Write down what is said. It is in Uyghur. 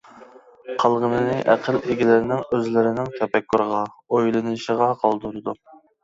قالغىنىنى ئەقىل ئىگىلىرىنىڭ ئۆزلىرىنىڭ تەپەككۇرىغا، ئويلىنىشىغا قالدۇرىدۇ.